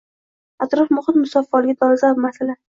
Atrof-muhit musaffoligi dolzarb masalang